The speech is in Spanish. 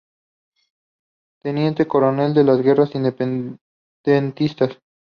Teniente coronel en las guerras independentistas.